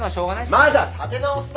まだ立て直せた！